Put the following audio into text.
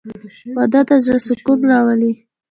• واده د زړه سکون راولي.